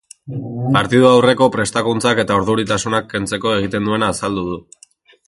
Partidu aurreko prestakuntzak eta urduritasunak kentzeko egiten duena azaldu du.